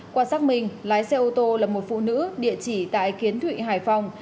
qua xác minh lái xe ô tô là một phụ nữ địa chỉ tại kiến thụy hải phòng